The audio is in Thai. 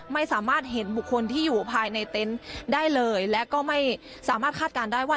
ไม่สามารถเห็นบุคคลที่อยู่ภายในเต็นต์ได้เลยและก็ไม่สามารถคาดการณ์ได้ว่า